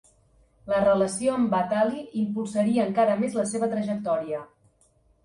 La relació amb Batali impulsaria encara més la seva trajectòria.